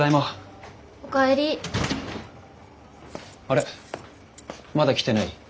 あれまだ来てない？